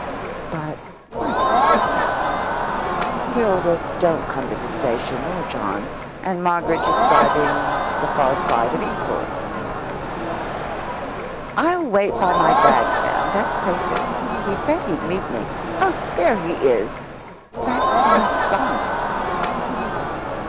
(But why do you look about you? Hilda don't come to the station, nor John; and Moggridge is driving at the far side of Eastbourne)."I'll wait by my bag, ma'am, that's safest. He said he'd meet me.… Oh, there he is! That's my son."